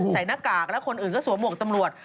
หน้ากากแล้วคนอื่นก็สวมหวกตำรวจ